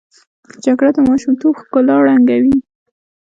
جګړه د ماشومتوب ښکلا ړنګوي